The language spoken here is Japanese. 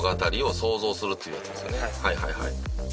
はいはいはい。